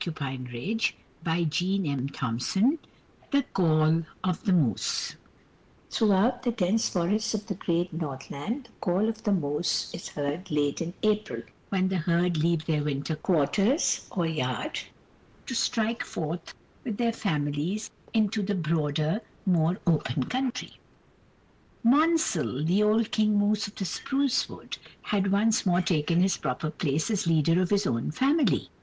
[Illustration: THE CALL OF THE MOOSE] VII THE CALL OF THE MOOSE Throughout the dense forests of the great Northland the call of the moose is heard late in April, when the herd leave their winter quarters or "yard" to strike forth with their families into the broader, more open country. Monsall, the old King Moose of the spruce wood, had once more taken his proper place as leader of his own family.